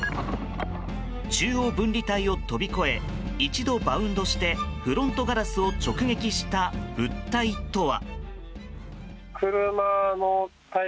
中央分離帯を飛び越え一度バウンドしてフロントガラスを直撃した物体とは。